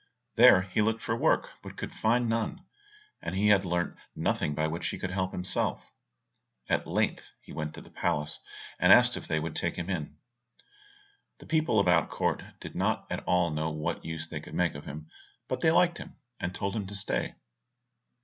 There he looked for work, but could find none, and he had learnt nothing by which he could help himself. At length he went to the palace, and asked if they would take him in. The people about court did not at all know what use they could make of him, but they liked him, and told him to stay.